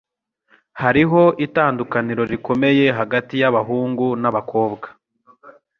Hariho itandukaniro rikomeye hagati yabahungu nabakobwa.